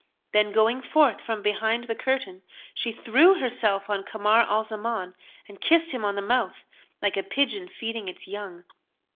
Then going forth from behind the curtain she threw herself on Kamar al Zaman and kissed him on the mouth, like a pigeon feeding its young.